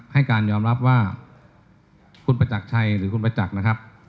ให้การยอมรับว่าคุณประจักรชัยหรือคุณประจักษ์นะครับ